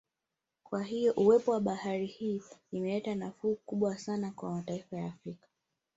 Kwa hiyo uwepo wa bahari hii imeleta nafuu kubwa sana kwa mataifa ya Afrika